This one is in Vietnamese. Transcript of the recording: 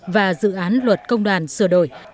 và dự án luật công đoàn sửa đổi